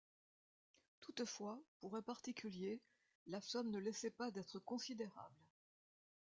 Toutefois, pour un particulier, la somme ne laissait pas d’être considérable.